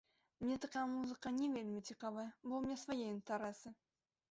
Мне такая музыка не вельмі цікавая, бо ў мяне свае інтарэсы.